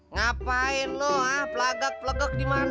ngapain lo ah pelagat pelagat di mana